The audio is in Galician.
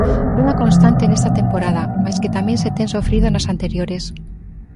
Unha constante nesta temporada, máis que tamén se ten sofrido nas anteriores.